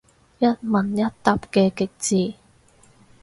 一問一答嘅極致